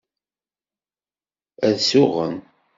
Ad suɣen.